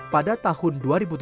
pada tahun dua ribu delapan belas